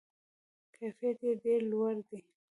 کیفیت یې ډیر لوړ دی.